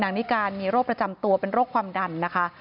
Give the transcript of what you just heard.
นิการมีโรคประจำตัวเป็นโรคความดันนะคะ